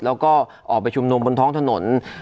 แล้วก็ออกไปชุมนุมบนท้องถนน